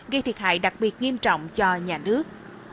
gây thiệt hại đặc biệt nghiêm trọng cho nhà nước